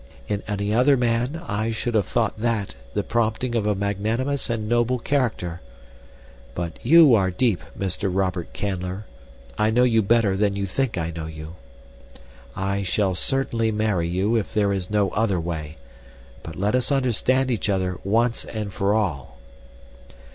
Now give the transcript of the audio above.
In any other man I should have thought that the prompting of a magnanimous and noble character. But you are deep, Mr. Robert Canler. I know you better than you think I know you. "I shall certainly marry you if there is no other way, but let us understand each other once and for all."